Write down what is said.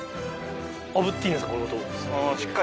炙っていいんですか？